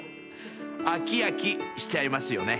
飽き飽きしちゃいますよね。